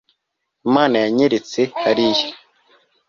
imana yanyeretse hariya